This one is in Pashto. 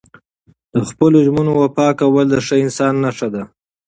د خپلو ژمنو وفا کول د ښه انسان نښه ده.